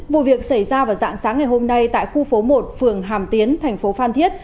vụ việc xảy ra vào dạng sáng ngày hôm nay tại khu phố một phường hàm tiến thành phố phan thiết